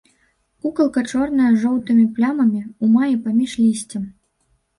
Кукалка чорная з жоўтымі плямамі, у маі паміж лісцем.